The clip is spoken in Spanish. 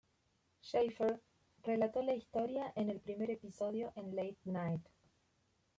Shaffer relató la historia en el primer episodio en Late Night.